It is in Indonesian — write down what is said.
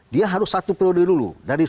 dia harus satu periode dulu